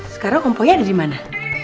sekarang om poy ada dimana